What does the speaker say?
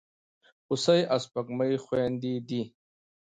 هوسۍ او سپوږمۍ خوېندي دي.